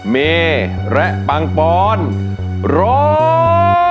เมย์และปังปอนด์ร้อน